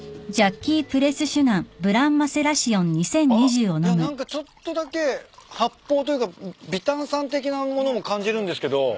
いや何かちょっとだけ発泡というか微炭酸的なものも感じるんですけど。